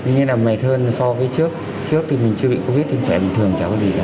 như là mệt hơn so với trước trước thì mình chưa bị covid thì khỏe bình thường chẳng có gì cả